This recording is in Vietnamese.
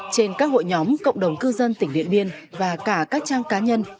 trên các hội nhóm cộng đồng cư dân tỉnh điện biên và cả các trang cá nhân